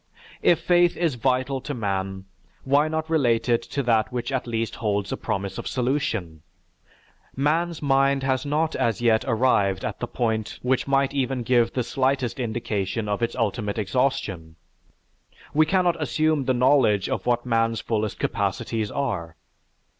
If faith is vital to man, why not relate it to that which at least holds a promise of solution? Man's mind has not as yet arrived at the point which might give even the slightest indication of its ultimate exhaustion. We cannot assume the knowledge of what man's fullest capacities are.